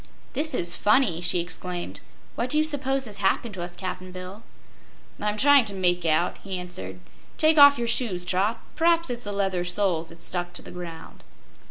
"This is funny!" she exclaimed. "What do you 'spose has happened to us, Cap'n Bill?" "I'm tryin' to make out," he answered. "Take off your shoes, Trot. P'raps it's the leather soles that's stuck to the ground."